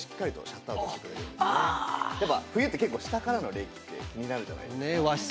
やっぱ冬って結構下からの冷気って気になるじゃないですか。